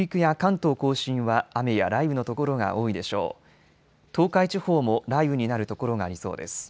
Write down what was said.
東海地方も雷雨になるところがありそうです。